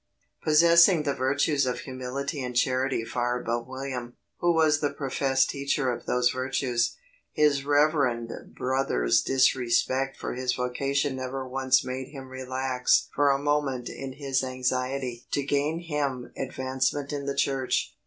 Possessing the virtues of humility and charity far above William, who was the professed teacher of those virtues, his reverend brother's disrespect for his vocation never once made him relax for a moment in his anxiety to gain him advancement in the Church.